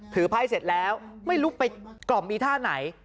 ไพ่เสร็จแล้วไม่รู้ไปกล่อมมีท่าไหน